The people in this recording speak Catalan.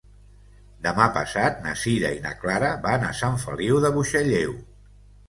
Demà passat na Sira i na Clara van a Sant Feliu de Buixalleu.